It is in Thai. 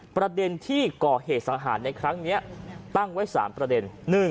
ประเด็นที่ก่อเหตุสังหารในครั้งนี้ตั้งไว้๓ประเด็น